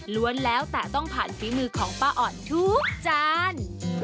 ้วนแล้วแต่ต้องผ่านฝีมือของป้าอ่อนทุกจาน